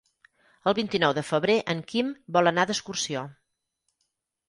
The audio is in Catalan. El vint-i-nou de febrer en Quim vol anar d'excursió.